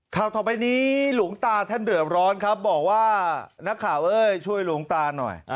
ข่าวต่อไปนี้หลวงตาท่านเดือดร้อนครับบอกว่านักข่าวเอ้ยช่วยหลวงตาหน่อย